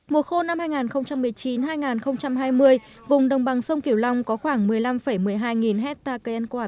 mùa khô năm hai nghìn một mươi chín hai nghìn hai mươi vùng đồng bằng sông kiểu long có khoảng một mươi năm một mươi hai nghìn hectare cây ăn quả